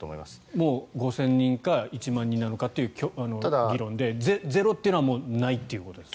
もう５０００人か１万人なのかという議論でゼロというのはもうないということですか？